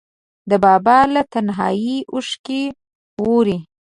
د بابا له تنهاییه اوښکې ووري